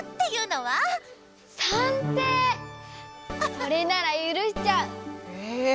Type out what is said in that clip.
それならゆるしちゃう！